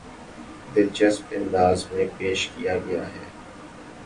دلچسپ انداز میں پیش کیا گیا ہے